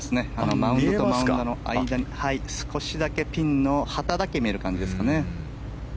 マウンドとマウンドの間に少しだけピンの旗だけ見える感じですかね。